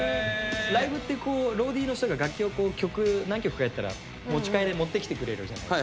ライブってこうローディーの人が楽器を曲何曲かやったら持ち替えで持ってきてくれるじゃないですか。